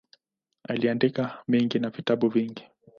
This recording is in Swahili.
Aliandika mengi na vitabu vingi.